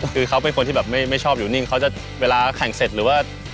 คือเขาเป็นคนที่แบบไม่ชอบอยู่นิ่งเขาจะเวลาแข่งเสร็จหรือว่า